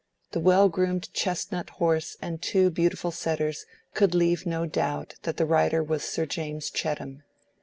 The well groomed chestnut horse and two beautiful setters could leave no doubt that the rider was Sir James Chettam.